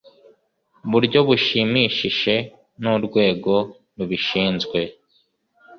buryo bushimishishe n urwego rubishinzwe